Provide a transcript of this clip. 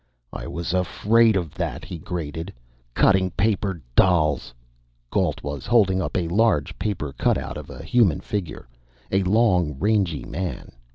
"I was afraid of that!" he grated. "Cutting paper dolls!" Gault was holding up a large paper cutout of a human figure a long, rangy man.